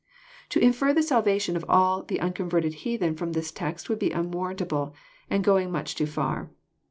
• To infer the salvation of all the unconverted heathen from this text would be unwarrantable, and going much too far.